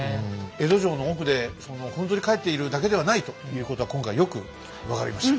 江戸城の奥でふんぞり返っているだけではないということが今回よく分かりました。